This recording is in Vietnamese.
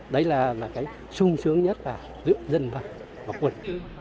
đấy là cái sung sướng nhất là giúp dân và quân